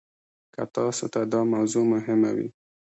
که تاسو ته دا موضوع مهمه وي.